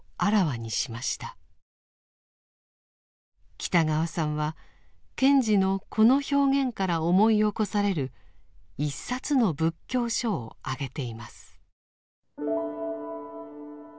北川さんは賢治のこの表現から思い起こされる一冊の仏教書を挙げています。